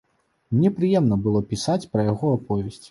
Мне прыемна было пісаць пра яго аповесць.